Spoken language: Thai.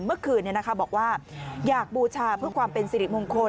เมื่อคืนบอกว่าอยากบูชาเพื่อความเป็นสิริมงคล